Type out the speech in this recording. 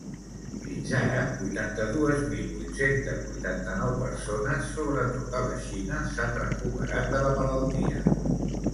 Fins ara, vuitanta-dues mil vuit-centes vuitanta-nou persones, sobretot a la Xina, s’han recuperat de la malaltia.